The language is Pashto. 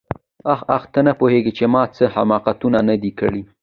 آخ آخ ته نه پوهېږې چې ما څه حماقتونه نه دي کړي.